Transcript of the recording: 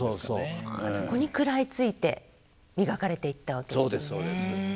そこに食らいついて磨かれていったわけですね。